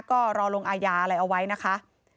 ก็รอลงอาญาอะไรเอาไว้นะคะ